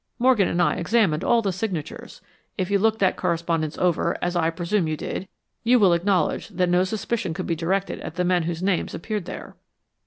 Morgan and I examined all the signatures. If you looked that correspondence over, as I presume you did, you will acknowledge that no suspicion could be directed at the men whose names appeared there."